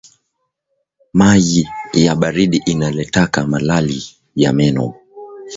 Mayi ya baridi inaletaka malalli ya meno